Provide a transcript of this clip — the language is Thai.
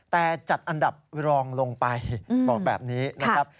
แต่จัดอันดับรองลงไปบอกแบบนี้นะครับ